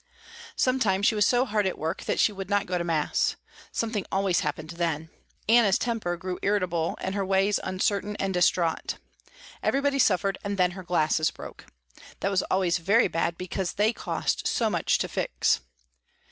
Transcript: Sometimes she was so hard at work that she would not go to mass. Something always happened then. Anna's temper grew irritable and her ways uncertain and distraught. Everybody suffered and then her glasses broke. That was always very bad because they cost so much to fix.